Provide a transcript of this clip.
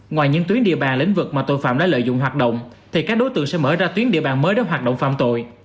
ngoài những tuyến địa bàn lĩnh vực mà tội phạm đã lợi dụng hoạt động thì các đối tượng sẽ mở ra tuyến địa bàn mới để hoạt động phạm tội